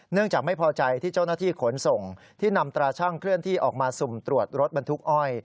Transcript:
จากไม่พอใจที่เจ้าหน้าที่ขนส่งที่นำตราชั่งเคลื่อนที่ออกมาสุ่มตรวจรถบรรทุกอ้อย